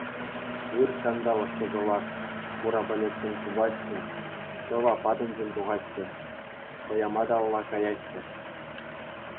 Ыр ҫанталӑк пӑсӑлать, хура пӗлӗтсем чупаҫҫӗ, ҫӑва патӗнчен тухаҫҫӗ, хӑяматалла каяҫҫӗ!